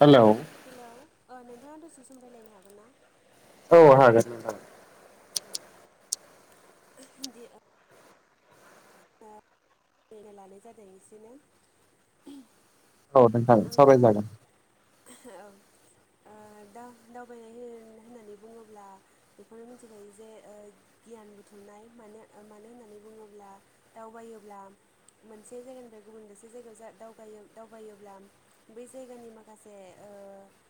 Hello hello ओ नोंथाङा दसे सम रायलायनो हागोन ना औ हागोन नोंथां दि ओ सावरायनो लानाय जादों एसेनो औ नोंथागोन सावरायनो आङो जागोन। औ ओ दा दावबायनाय हो होननानै बुङोब्ला बेखौनो मिथिखायो जे ओ गियान बुथुमनाय मानो मानो होननानै बुङोब्ला दावबायोब्ला मोनसे जायगानिफ्राय गुबुन मोनसे जायगायाव जा दावायो दावबायोब्ला बै जायगानि माखासे से ओ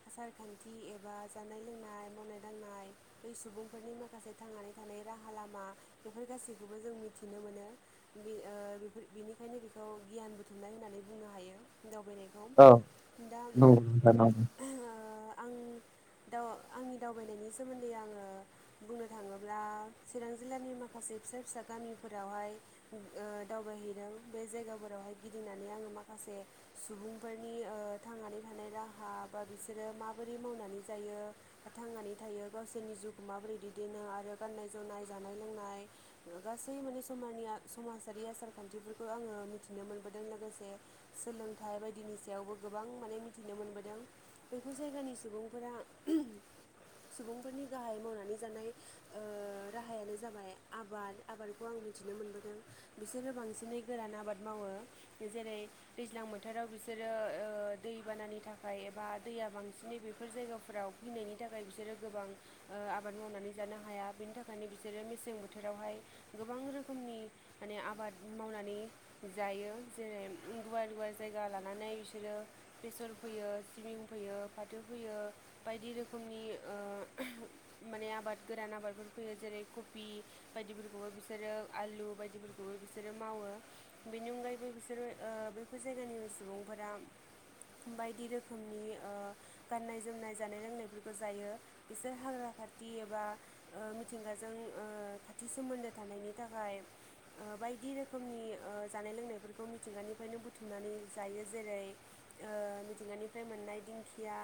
आसार खान्थि एबा जानाय लोंनाय मावनाय दांनाय बै सुबुंफोरनि मा खासे थांनानै थानाय राहा लामा बेफोर गासैखौबो जों मिथिनो मोनो ओ बेफोर बेनिखायनो बेखौ गियान बुथुमनाय होननानै बुंनो हायो नब लुबैनायखौ औ दा नंगौ नोंथां नंगौ ओ आं दा आंनि दावबायनायनि सोमोन्दै आङो बुंनो थाङोब्ला चिरां जिल्लानि माखासे से फिसा फिसा गामिफोरावहाय ओ दावबाहै दों बे जायगाफोरावहाय गिदिंनानै आङो माखासे सुबुंफोरनि ओ थांनानै थानाय रा हा बा बिसोरो माबोरै मावनानै जायो बा थांनानै थायो गावसोरनि जिउखौ माबोरै दैदेन नो आरो गाननाय जोमनाय जानाय लोंनाय गासै माने समानिया समाजारिया आसार खान्थिफोरखौ आङो मिथिनो मोनबोदों लोगोसे सोलोंथाइ बायदिनि सायावबो गोबां माने मिथिनो मोनबोदों बेफोर जायगानि सुबुंफोरा सुबुंफोरनि गाहाय मावनानै जानाय ओ राहायानो जाबाय आबाद आबादखौ आं मिथिनो मोनबोदों बि सोरो बांसिनै गोरान आबाद मावो जेरै दैज्लां बोथोराव बिसोरो ओ दै बा नानि थाखाय एबा दैया बांसिनै बेफोर जायगाफोराव फैनायनि थाखाय बिसोरो गोबां ओ आबाद मावनानै जानो हाया बिनि थाखायनो बिसोरो मेसें बोथोरावहाय गोबां रोखोमनि माने आबाद मावनानै जायो जेरै गुवार गुवार जायगा लानानै बिसोरो बेसर फोयो सिबिं फोयो फाथो फोयो बायदि रोखोमनि ओ माने आबाद गोरान आबादफोर फोयो जेरै कबि बायदिफोरखौबो बिसोरो आलु बायदिफोरखौबो बिसो सोरो मावो बेनि अनगायैबो बिसोरो ओ बैफोर जायगानि सुबुंफोरा बायदि रोखोमनि ओ गाननाय जोमनाय जानाय लोंनायफोरखौ जायो बिसोर हाग्रा खाथि एबा मिथिंगाजों ओ खाथि सोमोन्दो थानायनि थाखाय ओ बाय दि रोखोमनि ओ जानाय लोंनायफोरखौ मिथिंगानिफ्रायनो बुथुमनानै जायो जेरै ओ मिथिंगानिफ्राय मोननाय दिंखिया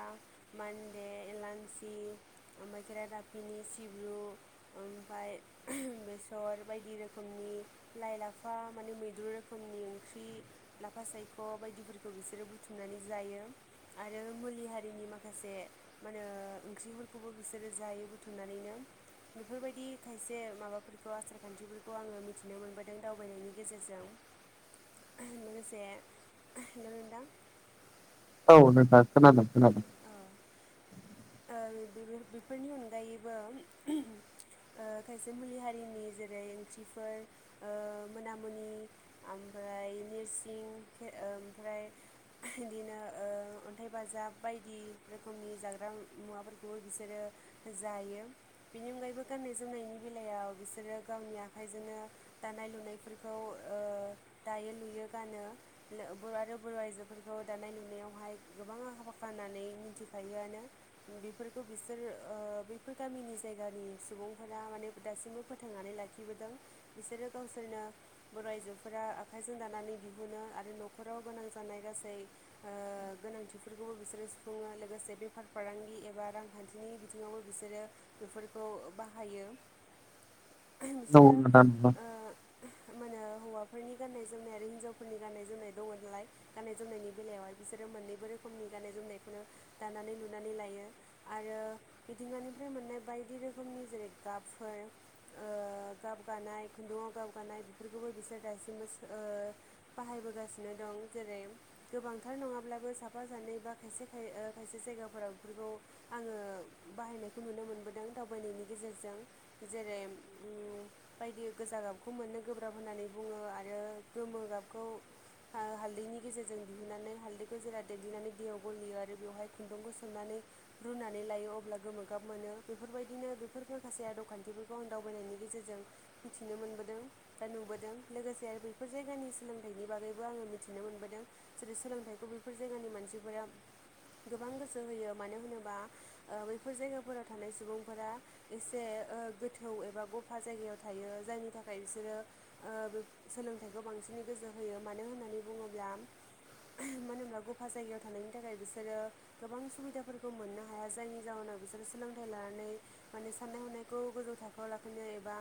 मान्दे एलान्सि ओमफ्राय खेराइ दाफि नि सिब्रु ओमफाय बेसर बायदि रोखोमनि लाइ लाफा माने मैद्रु रोखोमनि ओंख्रि लाफा सायख' बायदिफोरखौ बिसोरो बुथुमनानै जायो आरो मुलि हारिनि माखासे मा होनो ओंख्रिफोरखौबो बिसोरो जा यो बुथुमनानैनो बेफोरबायदि खायसे माबाफोरखौ आसार खान्थिफोरखौ आङो मिथिनो मोनबो दों दावबायनायनि गेजेरजों। लोगोसे हेलौ नोंथां। औ नोंथा खोनादों खोनादों। [inaudible] ओ बेबो बेफोरनि अनगायैबो ओ खायसे मुलि हारिनि जेरै गायै ओंख्रिफोर ओ मोनामुनि ओमफ्राय नोरसिं ओ ओमफ्राय बिदिनो ओ अन्थाइ बाजाब बायदि रोखोमनि जाग्रा मुवाफोरखौबो बिसोरो जायो बिनि अनगायैबो गा गाननाय जोमनायनि बेलायाव बिसोरो गावनि आखाइजोंनो दानाय लुनायफोरखौ ओ दायो लुयो गानो नो बर' आरो बर' आइजोफोरखौ दानाय लुनायावहाय गोबाङा हाबा फाननानै मिनथिखायोआनो बेफोरखौ बिसोर ओ बेफोर गामिनि जायगानि सुबुं बुंफोरा माने दासिमबो फोथांनानै लाखिबोदों बिसोरो गावसोरनो बर' आइजोफोरा आखाइजों दानानै दिहुनो आरो न'खराव गोनां जानाय गासै ओ गोनांथिफोर खौबो बिसोरो सुफुङो लोगोसे बेफार फालांगि एबा रांखान्थिनि बिथिङावबो बिसोरो बेफोरखौ ओ बाहायो नंगौ बिसोरो नोंथां नंगौ ओ मा होनो हौवाफोरनि गाननाय जोमनाय आरो हिनजावफोरनि गाननाय जोमनाय दङ नालाय गाननाय जोमनायनि बेलायावहाय बिसोरो मोननैबो रोखो खोमनि गाननाय जोमनायखौनो दानानै नुनानै लायो आरो मिथिंगानिफ्राय मोननाय बायदि रोखोमनि जेरै गाबफोर ओ गाब गानाय खुन्दुङाव गाब गानाय बेफोरखौबो बिसोर दासिमबो ओ‌ बाहायबोगासिनो दं जेरै गोबांथार नङाब्लाबो साफा साफा सानै बा खायसे‌ खाय ओ खायसे जायगाफोराव बेफोरखौ आङो बाहायनायखौ नुनो मोनबोदों दावबायनायनि गेजेरजों जेरै उम बायदि गोजा गाबखौ मोननो गोब्राब होननानै बुङो आरो गोमो गाबखौ ओ हालदैनि गेजेरजों दिहुननानै हालदैखौ जेरा देग्लिनानै दैयाव गलियो आरो बेवहाय खुन्दुंखौ सोमनानै रुनानै लायो अब्ला गोमो गाब मोनो बेफोर बेफोरबायदिनो बेफोर माखासे आदब खान्थिफोरखौ आ दावबायनायनि गेजेरजों मिथिनो मोनबोदों बा नुबोदों लोगोसे आरो बैफोर जायगानि सोलोंथाइनि बागैबो आङो मिथिनो मोनबोदों जेरै सोलोंथाइखौ बै फोर जायगानि मानसिफोरा गोबां गोसो होयो मानो होनोबा ओ बैफोर जायगाफोराव थानाय सुबुंफोरा एसे ओ गोथौ एबा गफा जायगायाव थायो जायनि थाखाय बिसोरो ओ बे सोलोंथाइखौ बां सिनै गोसो होयो मानो होननानै बुङोब्ला मानो होनब्ला गफा जायगायाव थानायनि थाखाय बिसोरो गोबां सुबिदाफोरखौ मोननो हाया जायनि जाहोनाव बिसोरो सोलोंथाइ ला नानै माने साननाय हनायखौ गोजौ थाखोआव लाखिनो एबा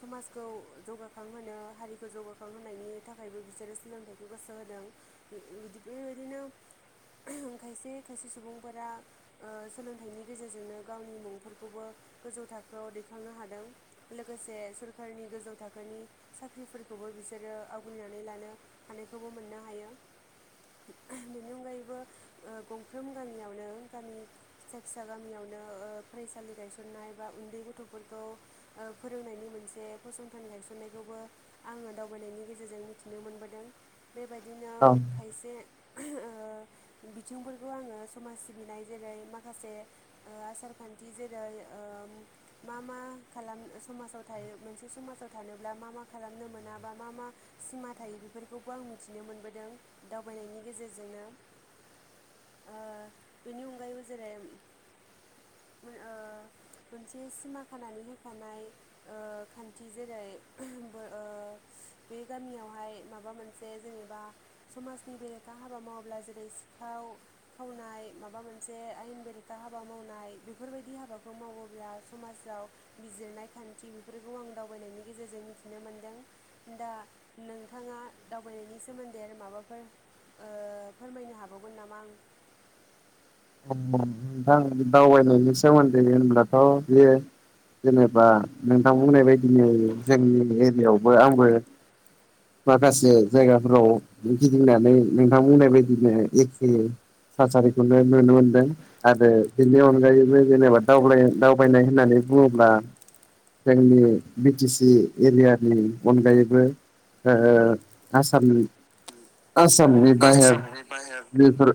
समाजखौ जौगाखांहोनायाव ओ हारिखौ जौगाखांहोनायनि थाखायबो बिसोरो सोलोंथाइखौ गोसो होदों बि-बिदिको बेबायदिनो [inaudible] खायसे खायसे सुबुंफोरा ओ सोलोंथाइनि गेजेरजोंनो गावनि मुंफोरखौबो गो जौ थाखोआव दैखांनो हादों लोगोसे सोरखारनि गोजौ थाखोनि साख्रिफोरखौबो बि सोरो आवग्रिनानै लानो हानायखौबो मोननो हायो। बेनि अनगायैबो ओ गंफ्रोम गामियावनो गामि फिसा फिसा गामियावनो ओ फरायसालि गायसननाय बा उन्दै गथ'फोरखौ ओ फोरोंनायनि मोनसे फसंथान गायसननायखौबो आङो दावबायनायनि गेजेर जों मिथिनो मोनबोदों बेबायदिनो औ खायसे ओ बिथिंफोरखौ आङो समाज सिबिनाय जेरै माखासे ओ आसार खान्थि जेरै ओ मा मा खालाम समाजाव थायो मोनसे समाजाव थानोब्ला मा मा खालामनो मोनो मा मा सिमा थायो बेफोरखौबो आं मिथिनो मोनबोदों दावबायनायनि गेजेरजोंनो। ओ बिनि अनगायैबो जेरै [inaudible] ओ मोनसे सिमा खानानै होखानाय ओ खान्थि जेरै जोंबो ओ बे गामियावहाय माबा मोनसे जेनेबा समाजनि बेरे खा हाबा मावाब्ला जेरै सिखाव खावनाय माबा मोनसे आयेन बेरेखा हाबा मावनाय बेफोरबायदि हाबाखौ मावोब्ला समाजाव बिजिरनाय खान्थि बेफोरखौ आं दावबायनायनि गेजेरजों मिथिनो मोनदों दा नोंथाङा दावबायनायनि सोमोन्दै आरो माबाफोर ओ फोरमायनो हाबावगोन नामा आं नोंथां दावबायनायनि सोमोन्दै होनब्लाथ' बेयो जेनेबा नोंथां बुंनाय बायदिनो जोंनि एरियायावबो आंबो माखासे जायगाफोराव गिदिंनानै नोंथां बुंनाय बायदिनो एखे थासारिखौनो नुनो मोनदों आरो बेनि अनगायैबो जेनेबा दावब्लाय दावबायनाय होननानै बुङोब्ला जोंनि बि टि सि एरियानि अनगायैबो ओ आसामनि आसामनि बाहेर आसामनि बेफोर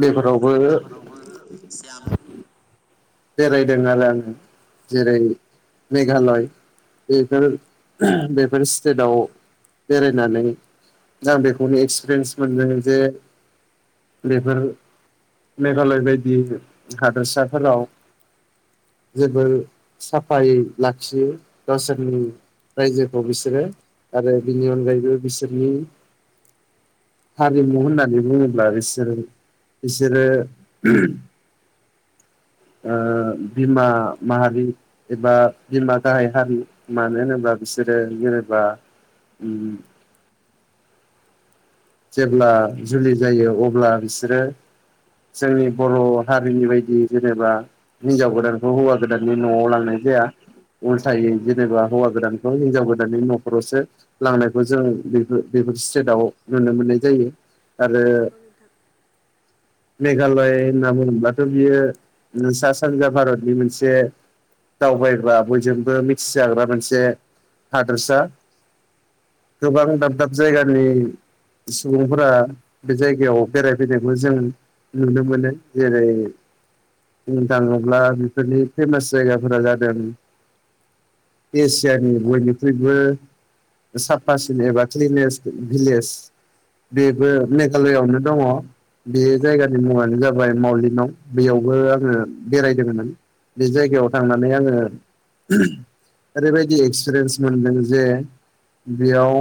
बेफोराव बेफोरावबो सियाम औ बेरायदों आरो आङो जेरै मेघालय बेफोर बेफोर स्टेटाव बेरायनानै आं बेखौनो एक्सपेरियेन्स मोनदों जे बेफोर मेघालय बायदि हादोरसाफोराव [inaudible] जोबोर साफायै लाखियो गावसोरनि रायजोखौ बिसोरो आरो बिनि अनगायैबो बिसोरनि हारिमु होननानै बुङोब्ला बिसोरो बिसोरो ओ बिमा माहारि एबा बिमा गाहाय हारि मानो होनोबा बिसोरो जेनेबा उम जेब्ला जुलि जायो अब्ला बिसोरो जोंनि बर' हारिनि बायदि जेनेबा हिनजाव गोदानखौ हौवा गोदाननि न'आव लांनाय जाया। उलथायै जेनेबा नंगौ हौवा गोदानखौ हिनजाव गो दाननि न'खरावसो लांनायखौ जों बेफो- बेफोर स्टेटाव नुनो मोननाय जायो। आरो नंगौ नोंथां। मेघालय होनना बुोङोब्लाथ' ओ बियो सा सानजा भारतनि मोनसे दावबायग्रा बयजोंबो मिथिजाग्रा मोनसे हादोरसा। गोबां औ दाब नंगौ दाब जायगानि सुबुंफोरा बे जायगायाव बेरायफैनायखौ जों नुनो मोनो जेरै बुंनो थाङोब्ला बेफोरनि फे'मास जायगाफोरा जादों- एसियानि बयनिख्रुबो साफासिन एबा क्लिनेस भिलेज बेबो औ नंगौ मेघालयआवनो दङ बे जायगानि मुङानो जाबाय मावलिनाव बेयावबो आंङो बेरायदोंमोन। बे जायगायाव थांनानै आंङो ओरैबायदि एक्सपिरियेन्स मोनदों जे बेयाव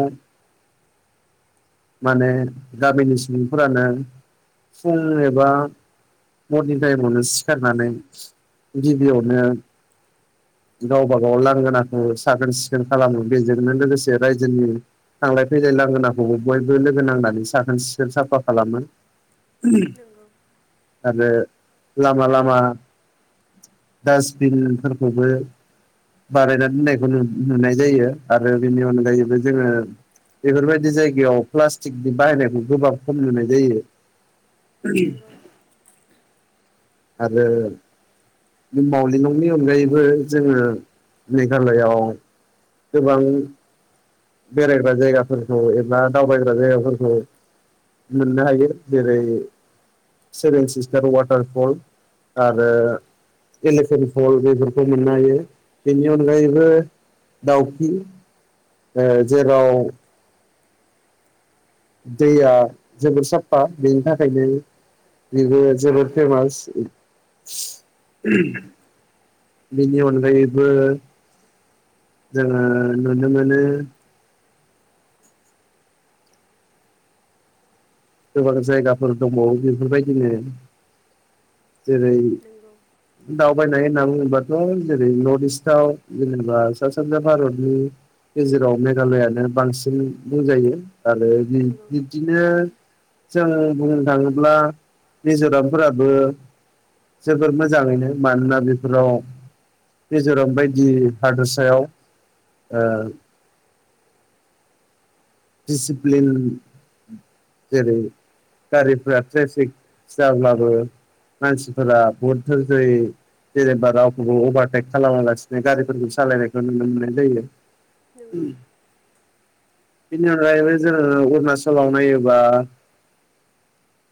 [inaudible] माने गामिनि सुबुंफोरानो फुं एबा मरनिं टाइमावनो सिखारनानै गिबियावनो गावबा गाव लांगोनाखौ साखोन- सिखोन खालामो बेजोंनो लोगोसे रायजोनि थांलाय -फैलाय लांगोनाखौबो बयबो लोगो नांनानै साखोन- सिखोन साफा खालामो। नंगौ आरो लामा- लामा डासबिनफोरखौबो बानायना दोननायखौ नुनाय जायो। आरो बेनि अनगायैबो जोंङो बेफोरबायदि जायगायाव प्लास्टिकनि बाहायनायखौ गोबाब खम नुनाय जायो। नोंगौ। आरो मावलि नंनि अनगायैबो जोंङो मेघालआव गोबां बेरायग्रा जायगाफोरखौ एबा दावबायग्रा जायगाफोरखौ मोननो हायो जेरै सेभेन सिस्टार वाटार फ'ल आरो इलिफेन फ'ल बेफोरखौ मोननो हायो। बेनि अनगायैबो दाउकि ओ जेराव दैया जोबोर साफा बेनि थाखायनो बिबो जबोत फेमास बिनि अनगायैबो जोंङा नुनो मोनो गोबां जायगाफोर दङ बेफोरबायदिनो जेरै- नंगौ दावबायनाय होनना बुङो बाथ' जेरै- नर्थ इस्टाव जेनेबा सा सानजा भारतनि गेजेराव मेघालयानो बांसिन बुंजायो आरो नंगौ बि-बिब्दिनो जों बुंनो थाङोब्ला मिजरामफोराबो जोबोर मोजाङैनो मानोना बेफोराव मिजराम बायदि हादरसायाव ओ [inaudible] दिसिप्लिन जेरै गारिफोरा ट्रेफिक जाब्लाबो मानसिफोरा बहुद धोरजयै जेनेबा रावबो अभारटेक खालामालासिनो गारिफोरखौ सालायनायखौ नुनो मोननाय जायो। नंगौ बेनि अनगायैबो जोंङो अरुनाचलाव नायोबा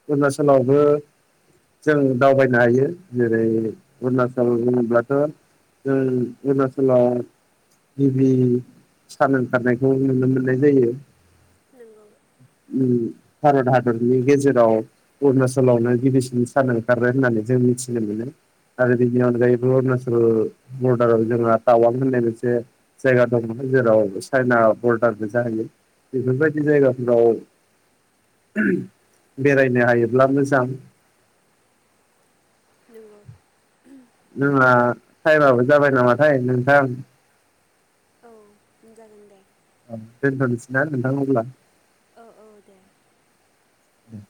अरुनाचलावबो जों दावबायनो हायो जेरै- अरुणचल होनोब्लाथ जों अरुणाचलाव गिबि सान ओंखारनायखौ नुनो मोन नाय जायो। नंगौ भारत हादरनि गेजेराव अरुणचलावनो गिबिसिन सान ओंखारो होननानै जों मिथिनो मोनो आरो बिनि नंगौ अनगायैबो अरुनाचल बरडाराव जोंहा टावां होननाय मोनसे जायगा दङ जेराव चाइना बर [unintelligible] जाहैयो बेफोरबायदि जायगाफोराव बेरायनो हायोब्ला मोजां। नंगौ। जोंहा टाइमाबो जाबाय नामाथाय नोंथां? उम जागोन दे। दोनथ'नोसै ना नोंथां अब्ला? औ औ दे उम।